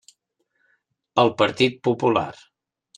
El Partit Popular.